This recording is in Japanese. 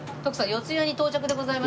四谷に到着でございます。